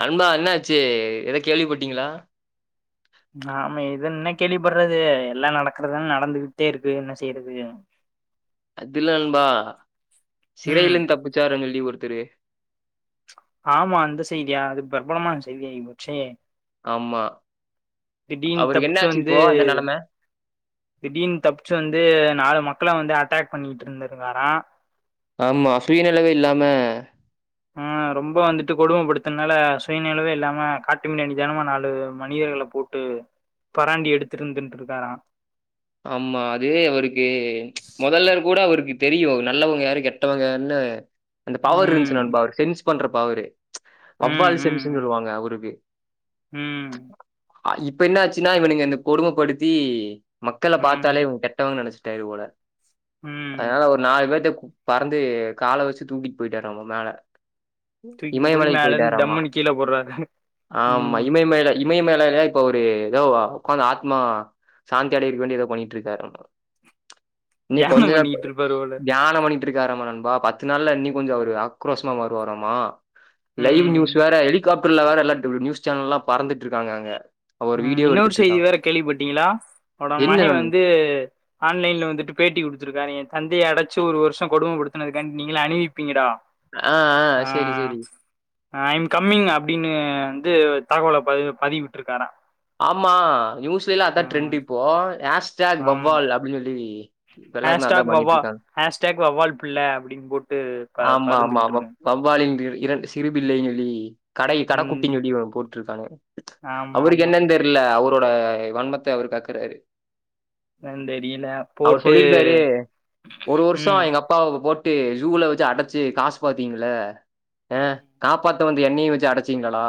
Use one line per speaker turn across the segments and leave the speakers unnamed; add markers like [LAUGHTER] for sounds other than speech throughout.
நண்பா என்னாச்சி எதோ கேள்வி பட்டிங்களா
நாம இது என்ன கேள்விப்பட்றது எல்லா நடக்கறதா நடந்துகிட்டே இருக்கு என்ன செய்யறது
அது இல்லா நண்பா
ம்
சிறையிலந்து தப்பிச்சாருனு சொல்லி ஒருத்தரு
ஆமா அந்த செய்தியா அது பிரபலமான செய்தியா போச்சே
ஆமா
திடீனு
அவருக்கு என்ன
தப்ச்சு
ஆச்சு
வந்து
இப்போ அந்த நிலைமை
திடீனு தப்ச்சு வந்து நாலு மக் கள வந்து அட்டாக் பண்ணிட்ருந்திருக்காரா
ஆமா சுயநிலவே இல்லாம
ஆ ரொம்ப வந்துட்டு கொடுமப்படுத்தனால சுயநிலவே இல்லாம காட்டுமிராண்டி தனமா நாலு மனி தர்கள போட்டு பராண்டி எடுத்துருந்த்திண்ருக்காரா
ஆமா அது அவருக்கு மொதல்ல கூட அவருக்கு தெரியு நல்லவங்க யாரு கெட்டவங்கன்னு அந்த பவர் இருந்துச்சு
ம்
நண்பா அந்த சென்ஸ் பண்ற பவரு
ம்
வவ்வால் சென்ஸ்ன்னு
ம்
சொல்லுவாங்க அவருக்கு
ம்
இப்ப என்ன ஆச்சின்னா இவனுங்க இந்த கொடுமப்படுத்தி மக்கள
ம்
பாத்தாலே இவங்க கெட்டவங்கனு நெனச்சி டாரு போல
ம்
அதனால ஒரு நாலு பேத்த பறந்து கால வச்சு தூக்கிட் பொயிட்டாறாமா மேல
தூக்கிட்டு போய்
இமயமலைக்கு
மேல இருந்து
பொயிட்டாறாமா
டம்முன்னு கீழ போடுறாரு
ஆமா
ம்
இமயமலைல இமயமலைல இப்ப ஒரு எத ஒக்காந்து ஆத்மா சாந் தி அடையறதுக்கு வேண்டி எதையோ பண்ணிட்ருக்காராமா இன்னிக் கொஞ்ச
தியானம்
நா
பண்ணிட்டு இருப்பாரு போல
தியானோ பண்ணி ட்ருக்காராமா நண்பா பத்து நாள்ல இன்னிக் கொஞ்சோ அவுரு ஆக்ரோசமா வருவாராமா லைவ்
ம்
நியூஸ் வேற ஹெலிகாப்டர்ல வேற எல்லா [UNINTELLIGIBLE] நியூஸ் சேனல்லா பறந்துட்ருக்காங்க அங்க ஒரு
ம்
வீடியோ
இன்னொரு செய்தி
எடுத்துட்ருக்காங்க.
வேற கேள்விப்பட்டீங்களா அவரோட
என்ன
மகே
நண்
வந்து ஆன்லைன்ல வந்துட்டு பேட்டி குடுத்துருக்காரு ஏ தந் தைய அடச்சி ஒரு வருஷோ கொடுமப்படுத்துனதுக்காண்டி நீங்கள அனுவிப்பிங்கடா
ஆ,
ஆ
சரி, சரி.
ஐம் கம்மிங் அப்டின்னு வந்து தகவல பதி பதிவிட்ருக்காரா
ஆமா நியூஸ்லலா அதா
ம்
ட்ரெண்ட் இப்போ ஹேஷ்டேக் வவ்வால் அப்டின்னு சொல்லி வை
ஹேஷ்டேக் வவ்வா ஹேஷ்டேக் வவ்வால் பிள்ள அப்டின்னு போட்டு பற பறந்துகிட்டு இருக்கு
இரண்டு இரண்டு சிறுபிள்ளைனு சொல்லி கடை
ம்
கடக்குட்டின் சொல்லி போட்டிருக்கானுங்க
ஆமா
அவருக்கு
ஆமா
என்னென் தெர்ல அவரோட வன்மத்த அவரு கக்குறாரு
என்னன்னு தெரியல
அவர்
போட்டு
சொல்லிருக்காரு ஒரு வருஷோ
ம்
எங்க அப்பாவுக்கு போ ட்டு ஜூல வச்சி அடச்சி காசு பாத்தீங்கள அ
ம்
காப்பாத் த வந்த என்னயு வச்சி அடச்சிங்களடா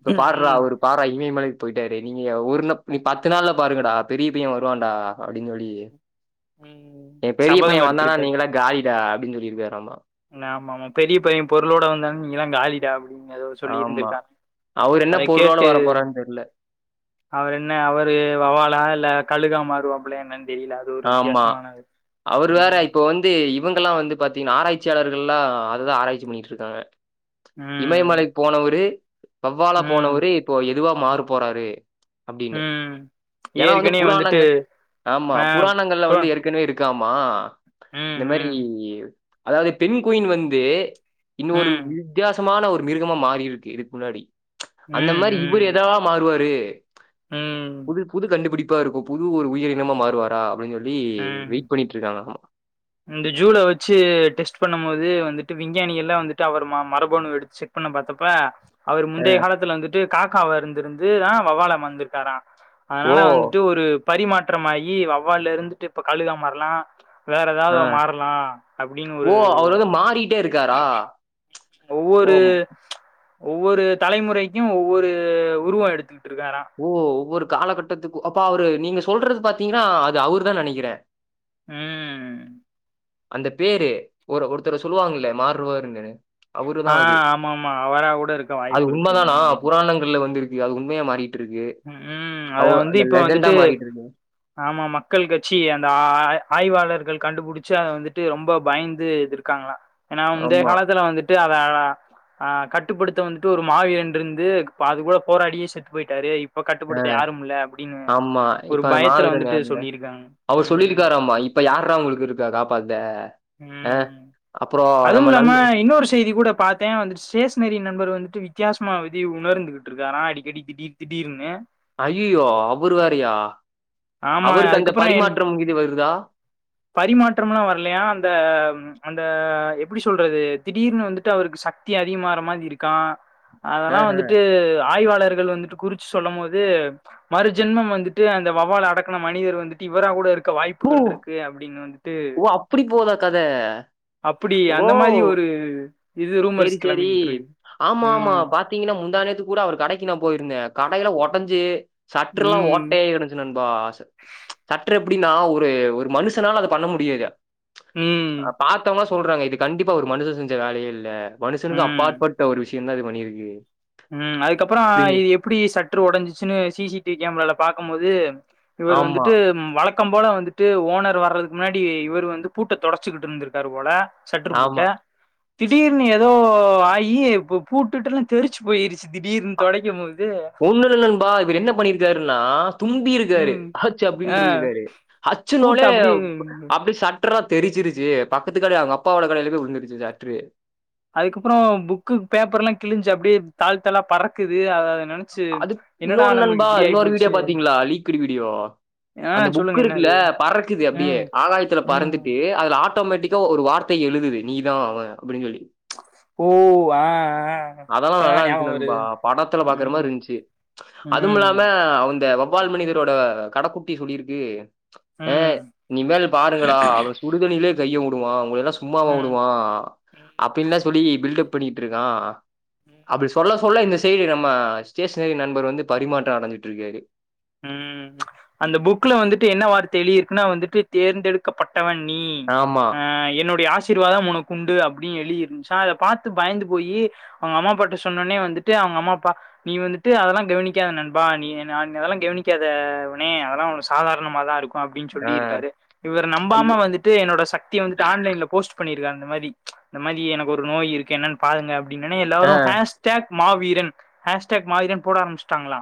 இப்ப பார்ரா
ம்
அவுரு பார்ரா இமயமலை பொயிட்டாரு நீங்க ஒரு நப் நீ பத்து நாள்ல பாருங்கடா பெரிய பையே வருவான்டா அப்டின்னு சொல்லி
ம்
ஏ பெரிய பையே
சபதம்
வந்தானா நீங்களா காலிடா அப்டின்னு சொல்லிருக்காராமா
என்ன ஆமா ஆமா பெரிய பையே பொருளோட வந்தாலு நீங்களா காலிடா அப்டி எதோ
ஆமா.
சொல்லிருந்துருக்காரா
அவரு என்ன
அத
பொருளோட
கேட்டு
வரப்போறாருன்னு தெரியல.
அவர் என்ன அவரு வவ்வாலா இல்ல கழுகா மாறுவாப்பளயா என்னென்
ஆமா அவுரு வேற
ம்
இப்ப வந்து இவுங்கெல்லா வந்து பாத்தீங்னா ஆராய்ச்சியாளர்கள்லா அததா ஆராய்ச்சி பண்ணிட்ருக்காங்க
ம்
இமயமலைக்கு போனவரு வவ்வாலா
ம்
போனவரு இப்போ இதுவா மாறு போறாரு அப்டின்னு
ம்
ஏனா வந்து
ஏற்கனவே வந்துட்டு
புராணங்கள் ஆமா
ஆ
புராணங்கள்ல வந்து
அப்புறம்
ஏற்கனவே இருக்காமா
ம்
இந்த மாரி
ம்
அதாது பெண் குயின் வந்து இன்னொரு
ம்
வித்தியாசமான ஒரு மிருகமா மாறிருக்கு இதுக் முன்னாடி அந்த மாரி இவுரு
ம்
எதாவா மாறுவாரு
ம் ம்
புது புது கண்டுபுடிப்பா இருக்கு புது ஒரு உயிரினமா மாறுவாரா அப்டின் சொல்லி
ம்
வெயிட் பண்ணிட்டு இருக்காங்களாமா.
இந்த ஜூல வச்சி டெஸ்ட் பண்ணும் போது வந்துட் டு விஞ்ஞானியெல்லா வந்துட்டு அவர் ம மரபணு எடுத்து ஷெக் பண்ண பாத்தப்ப அவரு
அ.
முந்தைய காலத்துல வந்துட்டு காக்கா வா இருந்துருந்து தா வவ்வாலமா வந்துர்க்காரா
ஓ!
அதனால வந்துட்டு ஒரு பரிமாற்றமாயி வவ்வால்ல இருந்துட்டு இப்ப கழுகா மார்லா வேற
அ.
ஏதாவது மாறலா அப்டின்னு ஒரு
மாரிட்டே இருக்காரா
ஒவ்வொரு
ஓம்
ஒவ்வொரு தலைமுறைக்கு ஒவ்வொரு உருவோ எடுத்து
ஓ ஒவ்வொரு காலகட்டத்துக்கு அப்பா அவரு நீங்க சொல்றது பாத்தீங்கனா அது அவரு தா நெனைக்கிறே
உம்
அந்த பேரு ஒரு ஒருத்தர சொல்லுவாங்ளே மாறுவாருன்னு அவரு
ஆ
தான் அது
ஆமா ஆமா அவரா கூட இருக்க
அது
வாய்ப்பு இருக்கு
உண்மதானா
என்னன்னு
புராணங்கள்ல வந்துருக்கு அது உண்மையா மாறி
உம் அத வந்து இப்ப
லெஜெண்டா
வந்துட்டு
மாறிட்டு இருக்கு.
ஆமா மக்கள் கட்சி அந்த ஆய் ஆய்வாளர் ஆய்வாளர்கள் கண்டுபிடிச்ச அத வந்துட்டு ரொம்ப பயந்து இருக்காங்ளா ஏனா வந்து முந்தைய
ஆமா.
காலத்துல வந்துட்டு வேணா ஆ கட்டுப்படுத்த வந்துட்டு ஒரு மாவிரன் இருந்து அது கூட போராடியே செத்து பொயிட்டாரு இப் இப்ப
அ
கட்டுப்படுத்த யாரும் இல்ல அப்டின்னு
ஆமா.
ஒரு
இப்ப அந்த
பயத்துல
மாவீரன்
வந்துட்டு
யாருல்ல?
சொல்லியிருக்காங்க
அவரு
ம்
சொல்லியிருக்காராமா, இப்ப யார்ரா உங்ளுக்கு இருக்கா காப்பாத்த அ
ம்
அப்புறம் நம்ம
அதுவும்
நண்
இல்லாம இன்னொரு செய்தி கூட பாத்தே வந்துட்டு ஸ்டேஷ்னரி நண்பர் வந்துட்டு வித்தியாசமா விதி உணர்ந்துகிட்டு இருக்காரா அடிக்கடி திடீர் திடீர்னு
அய்யோயோ அவருவேரையா
ஆமா யா அதுக்கப்பற என்
வருதா?
பரிமாற்றம்லாம் வரலையா அந்த அந்த எப்டி சொல்றது திடீர்னு வந்துட்டு அவருக்கு சக்தி அதிகமாற மாரி இருக்கா அதெல்லா
ஆஹ.
வந்துட்டு ஆய்வாளர் பக்தர்கள் வந்துட்டு குறிச்சி சொல்லும் போது மறுஜென்மம் வந்துட்டு அந்த வவ்வால் அடக்குன மனிதர் வந்துட்டு இவர கூட இருக் இருக்க
ஓ!
வாய்ப்புகள் இருக்கு அப்டின்னு வந்துட்டு
ஓ! அப்படி போதா கத
அப்டி
ஓ
அந்த மாரி ஒரு இது
சேரி
ரூமர்ஸ்
சேரி
கெளம்பிக்கிட்டு இருக்கு
ஆமா ஆமா
ம்
பாத்தீங்கனா முந்தானேத்து கூட அவர் கடைக்கு நா போயிருந்தே கடையில ஒடஞ்சு சற்றுல்லா
ம்
ஓட்டையா கடஞ்சு நண்பா ச சற்று எப்டினா ஒரு ஒரு மனுஷனால அத பண்ண முடியாது
ம்
பாத்தவ சொன் சொல்றாங்க இது கண்டிப்பா ஒரு மனுஷ செஞ்ச வேலையே இல்ல மனுஷனுக்கு அப்பாற்பட்ட ஒரு விஷயம் தா இது பண்ணிருக்கு
உம் அதுக்கப்றம் இது எப்டி சற்று ஒடஞ்சிச்சுன்னு சி சி டிவி கேமரால பாக்கும் போது இவர்
ஆமா
வந்துட்டு வழக் வழக்கம் போல வந்துட்டு ஓனர் வர்றதுக்கு முன்னாடி இவரு வந்து பூட்ட தொடச்சுகிட்டு இருந்துருக்காரு போல சட்று பூட்ட
ஆமா
திடீர்னு ஏதோ ஆகி பூட் பூட்கிடுட்டுல்லாம் தெரிச்சி போய் போயிருச்சு திடீர்னு தோடைக்கு போது
ஒன்னு இல்ல நண்பா இவரு என்ன பண்ணி இருக்காருன்னா தும்பி இருக்காரு
ம்
ஹச்சு
ஆ
அப்படின்னு இருக்காரு ஹச்சு
பூட்டு
உடனே
அப்டியே
அப்படி சட் சற்றா தெரிச்சிருச்சு பக்கத்துக் கடை அவங்க அப்பாவோட கடையிலய போய் விழுந்துருச்சு சாட்று
அதுக்கப்புற புக்கு பேப்பர் எல்லா கிழிஞ்சு அப்படியே தாள் தாள்லா பறக்குது ஆ
அது இன்னொன்னு நண்பா இன்னொரு வீடியோ
போச்சு
பாத்தீங்களா லீக்ட் வீடியோ
ஆ
அந்த புக்
சொல்லுங்க
இருக்குல்ல
என்னது
பறக்குது அப்படியே
ம்
ஆகாயத்துல
ம்
பறந்துட்டு அதுல ஆட்டோமேட்டிக்கா ஒரு வார்த் தை எழுதுது நீதான் அவன் அப்படின்னு சொல்லி
[INAUDIBLE]
அதெல்லாம்
இப்பதா
நல்லா இருந்துச்சு
ஞாபகோ
நண்பா
வருது
படத்துல பாக்குற
ம்
மாதிரி இருந்துச்சு அதுவும்
ம்
இல்லாம அவந்த வாவ் வவ்வால் மனிதரோட கடக்குட்டி சொல்லி இருக்கு ஏ
ம்
நீ மேல பாருங்கடா அவளை சுடு தண்ணியிலயே கைய விடுவா உங்களை எல்லா சும்மாவ
ம்
விடுவா அப்பி எல்லா சொல்லி பில்டப் பண்ணிட்டு இருக்கா அப்படி சொல்ல சொல்ல இந்த சைடு நம்ம ஸ்டேஷனரி நண்பர் வந்து பரிமாற்ற அடைஞ்சிட்டு இருக்காரு
ம் அந்த புக்ல வந்துட்டு என்ன வார்த்தை எழுதி இருக்குன்னா வந்துட்டு தேர்ந்தெடுக்க பட் பட்டவன் நீ
ஆமா
ஆ என்னுடைய ஆஸ் ஆசீர்வாதம் உனக்குண்டு அப்படி எழுதி இருந்துச்சா அதை பார்த்து பயந்து போய் அவங்க அம்மா அப்பா கிட்ட சொன்னஉடனே வந்துட்டு அவ ங்க அம்மா அப்பா நீ வந்துட்டு அதெல்லா கவனிக்காத நண்பா நீ என்ன நானு அதெல்லா கவனிக்காத இவனே அதெல்லாம் சாதாரணமா தான் இருக் அப்படின்னு சொல்லிருக்காரு இவர் நம்பாம
இவர்
வந்துட்டு என்னோட சக்தி வந்துட்டு ஆன்லைன்ல போஸ்ட் பண்ணி இருக்காங் இந்த மாரி இந்த மாரி எனக்கு ஒரு நோய் இருக்கு என்னன்னு பாருங்க அப்படின்னோனி
ஆ
எல்லாரும் ஹேஸ்டேக் மாவீரன் ஹேஸ்டேக் மாவீரன் போட ஆரம்பிச்சுட்டாங்களா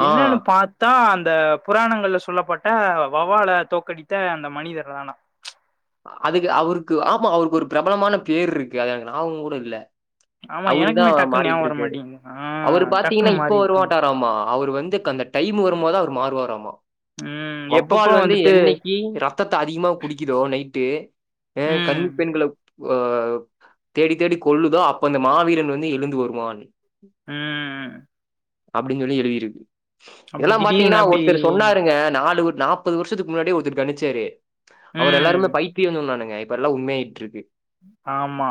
ஆ.
என்னன்னு பாத் தா அந்த புராணங்கள்ல சொல்லப்பட்ட வவ்வால தோக்கடித்த அந்த மனிதர்தான
அதுக்கு அவருக்கு ஆமா அவருக்கு ஒரு பிரபலமான பேர் இருக்கு அது எனக்கு ஞாபகம் கூட இல்ல
ஆமா
அவரு
எனக்குமே
தான்
டக்குன்னு
மாறிட்டு
ஞாபகம் வர
இருக்கு
மாட்டேங்குது ஆ
அவரு பார்த்தீங்கன்னா
டக்குன்னு
இப்ப
மாறிட்டுங்
வரமாட்டாராமா அவரு வந்து க இந்த டைம் வரும் போது அவர் மாறுவாராமா
ம் எப்பப்போ
வவ்வால் வந்து
வந்துட்டு
என்னைக்கு ரத்தத்தை அதிகமாக குடிக்குதோ நைட் டு ஏ
ம்
கன்னிப் பெண்களை வா தேடி தேடி கொள்ளுதோ அப்ப அந்த மாவீரன் வந்து எழுந்து வருவான்
ம்
அப்படின்னு சொல்லி எழுதிருக்கு
அப்டி
இதெல்லாம்
திடீர்னு
பாத்தீங்கன்னா
அப்டி
ஒருத்தர் சொன்னாருங்க நாலுவுட் நாப்பது வருஷத்துக்கு முன்னாடி ஒருத்தர் கனிச்சாரு அவர
ம்
எல்லாருமே பைத் சொன்னாங்க இப்ப எல்லா உண்மையாயிட்டுருக்கு
ஆமா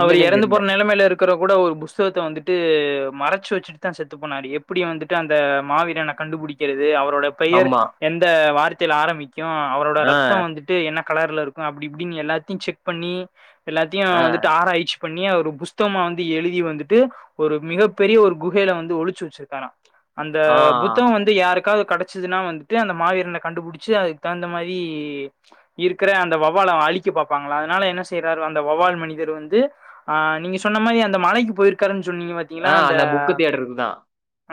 அவரு
என்னன்னே
இறந்து போற
தெரியல.
நிலைமையில இருக்கற கூட ஒரு புஸ்தகத்தை வந்துட்டு மறை ச்சி வச்சுட்டு தான் செத்து போனாரு எப்படி வந்துட்டு அந்த மாவீரனை கண்டு புடிக்கிறது இது அவரோட பெயர்
ஆமா.
எந்த வார்த்தையில் ஆரம்பிக்கும் அவரோட
ஆ,
ரத்தம் வந்துட்டு என்ன கலர்ல இருக்கும் அப்படி இப்படின்னு எல்லாத்தையும் செக் பண்ணி எல்லாத்தையும்
ஆ.
வந்துட்டு ஆராயிச்சி பண்ணி ஒரு புஸ்தகமா வந்து எழுதி வந்துட்டு ஒரு மிகப்பெரிய ஒரு குகையில வந்து ஒளிச்சு வச்சிருக்காரா அந்த
ஆ,
புத்தகம் வந்து யாருக்கு காவது கிடைச்சதுன்னா வந்துட்டு அந்த மாவீரனை கண்டுபிடிச்சு அதுக்கு தகுந்த மாதிரி இருக்கிற அந்த வவ்வால் லா அழிக்க பாப்பாங்கள அதனால என்ன செய்றாரு வந் த வவ்வால் மனிதர் வந்து ஆ நீங்க சொன்ன மாதிரி அந்த மலைக்கு போயிருக்காருன் சொன்னீங்க
ஆ
பாத்தீங்களா அந்த
புக் தியேட்டருக்கு தான்.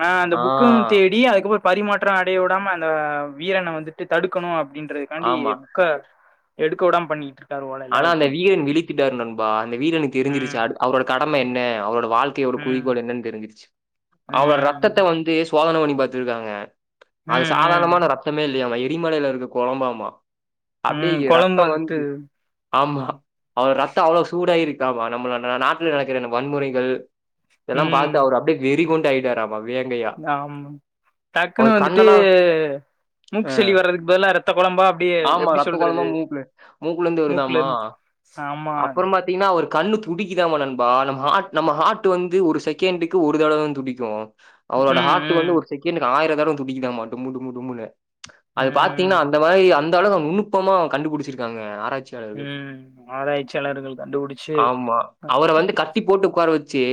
ஆ அந்த புக்கும் தேடி அதுக்கப்புறம் பரிமாற்றம் அடைய விடாம அந்த ஆ வீரனை வந்துட்டு தடுக்கணும் அப்படின்றதுக்காண்டி
ஆமா.
புக்க எடுக்க விடாம பண்ணிட்டா
ஆனா அந்த வீரன் விழித்தித்தாருக நண்பா அந்த வீரனுக்கு தெரிஞ்சிருச்சு
ம்
அது அவரோட கடமை என்ன அவரோட வாழ்க்கையோட
ம்
குறிக்கோள் என்னன்னு தெரிஞ்சிருச்சு அவரோட ரத்தத்தை
ம்
வந்து சோதனை பண்ணி பார்த்து இருக்காங்க அது
ம் ம்
சாதாரணமான ரத்தமே இல்லையாமா எரிமலையில இருக்கு கோலம் பாமா
ம்
அப்படியே
கொழம்பு
ரத்தம்
வந்துட்டு
வந்து ஆமா அவ ரத்தம் அவ்வளவு சூடாயிருக்காமா நம்மள நாட்டுல நடக்கிற வன்முறைகள் இதெல்லாம்
ம்
பார்த்து அவரு அப்படியே வெறி கொண்டு ஆயிட்டாரு வேங்கையா
ஆமா
அவர்
டக்குன்னு வந்துட்டு
கண்ணெல்லாம் ஆ
மூக்கு சலி வர்றதுக்கு பதிலா இரத்த குழம்பா அப்படி
ஆமா
எப்படி
ரத்த குழம்பா
சொல்றது
மூக்குல மூக்குலருந்து வருதாமா.
முக்லேருந்து ஆமா
ஒரு கண்ணு துடிக்குதா ஆம நண்பா நம்ப ஹாட்டு நம்ப ஹாட் வந்து ஒரு செகண்டுக்கு ஒரு தடவ தான் துடிக்கும் அவரோட
ம்
ஹார்ட்
ம்
வந்து ஒரு செகன்டுக்கு ஆயிரம் தடவ துடிக்குதாம்மா டுமு டுமு டுமுனு அது
ம்
பாத்தீங்கன்னா அந்த மாதிரி அந்த அளவுக்கு நுணுப்பமா கண்டுபிடிச்சிருக்காங்க ஆட்சியாளர்கள்
ம் ஆராய்ச்சியாளர்கள் கண்டுபிடிச்சு
ஆமா அவரை வந்து கட்டி போட்டு உட்கார வச்சி ச்சு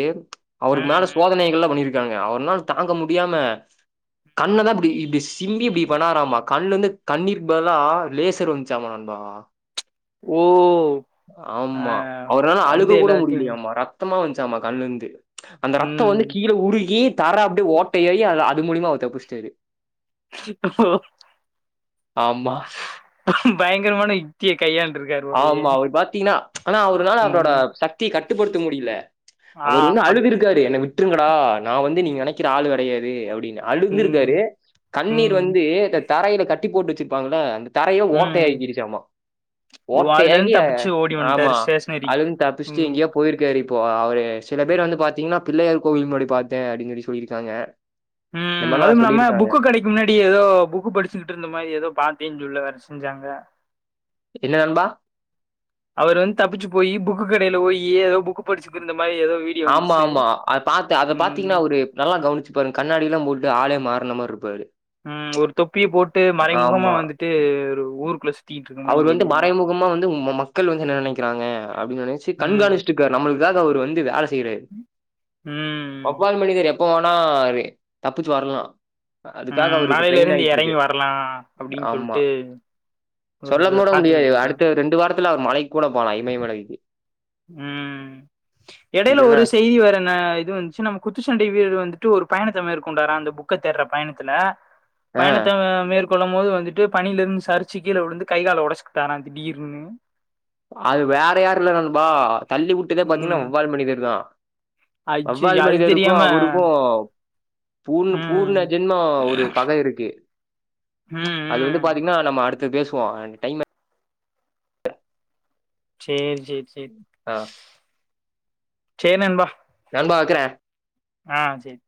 அவருக்கு
ம்
மேல
ம்
சோதனைகள் எல்லாம் பண்ணிருக்காங்க அவர்னால தாங்க முடியாம கண்ணதான் இப்படி இப்படி சிம்பி இப்படி பண்ணாராமா கண்லேருந்து கண்ணிர்கு பதிலா லேசர் வந்துச்சாமா நண்பா
ஓ ஆ
ஆமா அவர்னாலும்
வந்து
அழுக கூட
எல்லாத்தையு
முடியல ஆமா ரத்தமா வந்து சாமா கண்ணுல இருந்து அந்த ரத்தம்
ம்
வந்து கீழே உருகி தர அப்படியே ஓட்டையாயி அது அது மூழியமா அவரு தப்பிச்சிட்டாரு ஆமா,
பயங்கரமான இத்தியக்
ஆமா அவரு பாத்தீங்கனா ஆனா அவருனால அவரோட
ம்
சக்திய கட்டுப்படுத்த முடியல
ஆ
அவரு வந்து
அப்
அழுது இருக்காரு என்னை வி விட்டுருங்கடா நா வந்து நீங்க நெனைக்கிற ஆளு கெடையாது அப்படின்
ம்
அழுந்திருக்காரு கண்ணீர்
ம்
வந்து தரையில கட்டி போட்டு வச்சிருப்பாங்கள அந்த தரையோ
ம்
ஓட்டையாக்கிருச்சாமா
ஓ, அதுல
ஓட்டையாகி
இருந்து தப்பிச்சு ஓடி
ஆமா
வன்ட்டாரு ஸ்டேஷனரிக்கு
அதுனு தப்பிச்சுட்டு
ம்
எங்கயோ போயிருக்காரு இப்போ அவரு சில பேர் வந்து பாத்தீங் பிள்ளையார் கோவில் முன்னாடி பாத்த அப்படின் சொல்லி சொல்லிருக்காங்க
ம் அதுவும் இல்லாம புக்கு கடைக்கு முன்னாடி ஏதோ புக்கு படிச்சுக்கிட்டு இருந்த மாதி ஏதோ பாத்தேன் சொல்ல வேற செ செஞ்சாங்க
என்ன நண்பா
அவர் வந்து தப்பிச்சு போயி புக்கு கடையில போயி ஏதோ புக்கு படிச்சுக்குறு இருந்த மா
ஆமா ஆமா அத பாத்து அத
ம்
பாத்தீங்கன்னா ஒரு நல்லா கவனிச்சு பாருங்க கண்ணாடிலா போட்டு ஆளே மா அந்த மாரி இருப்பாரு
ம் ஒரு தொப்பி போட்டு மறைமுகமா வந்துட்டு ஒரு ஊருக்குள்ள சுத்
அவர் வந்து மறைமுகமா வந்து மக்கள் வந்து என்ன நெனைக்கிறாங்க அப்படின் நெனச்சு
ம்
கண்காணிச்சூட்டு இருக்காரு நம்மளு காக அவர் வந்து வேல செய்றாரு
ம்
வவ்வால் மனிதர் எப் போனாரு தப்பிச்சு வரலா அதுக்காக
ம்
அவரு இப்ப
மலையில
ட்ரெயின்
இருந்து
ஆயிட்டு இருக்கு
எறங்கி வரலா அப்டின்னு
ஆமா
சொல்ட்டு
சொல்ல
ஒரு
கூட முடியாது
காத்துக்கிட்டு இருக்கே
அடுத்த ரெண்டு வாரத்துல அவர் மலைக்கு கூட போலா இமய மலைக்கு
ம் எடையில ஒரு
இதெல்லாம்
செய்தி வரன இது வந்துச்சு நம்ம குத்துச்சண்டை வீரர் வந்துட்டு ஒரு பயணத்த மேற்கொண்டாறா அந்த புக்க தேடுற பயணத்துல
ஆ
பயணத்த மேற் கொள்ளும் போது வந்துட்டு பணியில இருந்து சரிச்சு கீழ விழுந்து கை கால் ஒடச்சு கிட்டாறா திடீர்ன்னு
அது வேற யாரு இல்ல நண்பா தள்ளி விட்டுதே பாத்தீங்கன்னா
ம்
வவ்வால் மனிதரு தா வவ்வால்
அய்யய்யோ அது
மனிதருக்கு
தெரியாம
அவருக்கு பூர்ண பூர்ண
ம்
ஜென்ம ஒரு பக இருக்கு
ம்
அது வந்து
ம்
பாத்தீங்ன்னா நம்ம அடுத்த பேசுவோ டைம்
சேரி சேரி சேரி
ஆ
சேரி நண்பா
க்கிறே
ஆ சேரி